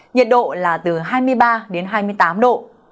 nhiệt độ là từ hai mươi ba đến hai mươi tám độ